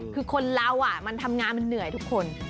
คือคนเรามันทำงานมันเหนื่อยทุกคน